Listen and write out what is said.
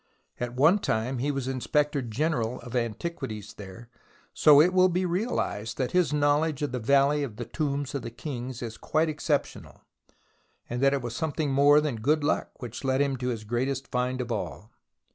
At one time he was Inspector General of Antiquities there, so it will be realized that his knowledge of the Valley of the Tombs of the Kings is quite exceptional, and that it was something more than good luck which led him to his greatest find of all.